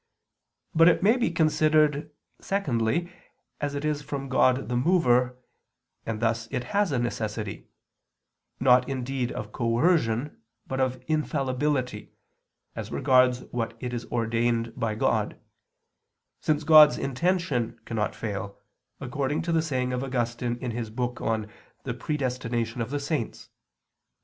But it may be considered, secondly, as it is from God the Mover, and thus it has a necessity not indeed of coercion, but of infallibility as regards what it is ordained to by God, since God's intention cannot fail, according to the saying of Augustine in his book on the Predestination of the Saints (De Dono Persev.